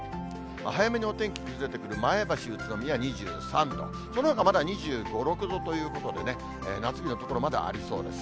早めにお天気崩れてくる前橋、宇都宮、２３度、そのほかはまだ２５、６度ということでね、夏日の所、まだありそうです。